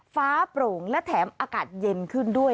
ฟ้าโปร่งและแถมอากาศเย็นขึ้นด้วย